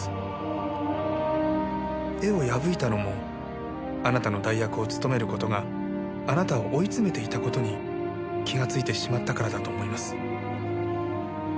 絵を破いたのもあなたの代役を務める事があなたを追い詰めていた事に気がついてしまったからだと思います。